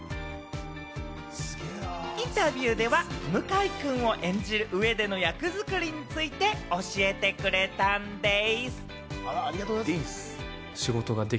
インタビューでは、向井くんを演じる上での役作りについて教えてくれたんでぃす。